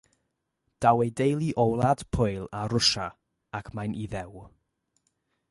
Daw ei deulu o Wlad Pwyl a Rwsia, ac mae'n Iddew.